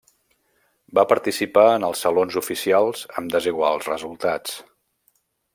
Va participar en els Salons oficials amb desiguals resultats.